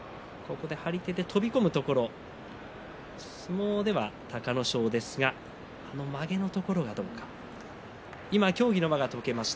張り手で飛び込むところを相撲では隆の勝ですがまげのところがどうか協議の輪が解けました。